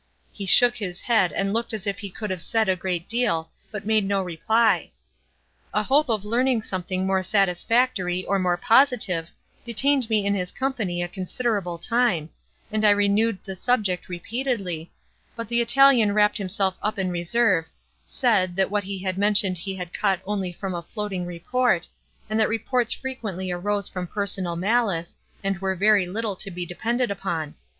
He shook his head, and looked as if he could have said a great deal, but made no reply. "A hope of learning something more satisfactory, or more positive, detained me in his company a considerable time, and I renewed the subject repeatedly, but the Italian wrapped himself up in reserve, said—that what he had mentioned he had caught only from a floating report, and that reports frequently arose from personal malice, and were very little to be depended upon.